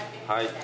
はい。